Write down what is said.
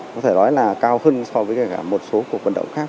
có thể nói là cao hơn so với cả một số cuộc vận động khác